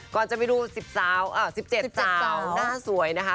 ก่อนจะไปดู๑๗สาวหน้าสวยนะคะ